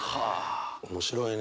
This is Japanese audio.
面白いね。